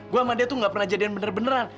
gue sama dia tuh gak pernah jadian bener beneran